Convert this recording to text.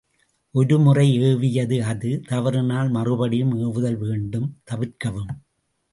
ஒரு முறை ஏவிய அது தவறினால் மறுபடியும் ஏவுதல் வேண்டாம் தவிர்க்கவும்.